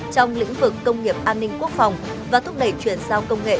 trong lĩnh vực công nghiệp an ninh quốc phòng và thúc đẩy chuyển giao công nghệ